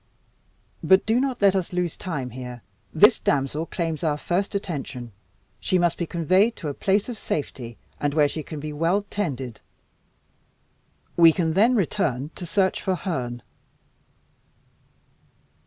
But do not let us lose time here. This damsel claims our first attention. She must be conveyed to a place of safety, and where she can be well tended. We can then return to search for Herne."